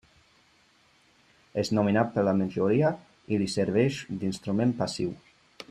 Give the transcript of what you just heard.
És nomenat per la majoria i li serveix d'instrument passiu.